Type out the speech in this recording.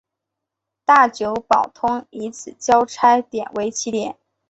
大久保通以此交差点为起点。